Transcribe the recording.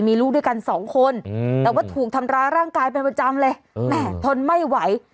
มีลูกด้วยกันสองคนแต่ว่าถูกทำร้ายร่างกายเป็นประจำเลยแม่ทนไม่ไหว